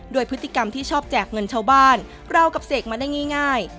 พฤติกรรมที่ชอบแจกเงินชาวบ้านเรากับเสกมาได้ง่าย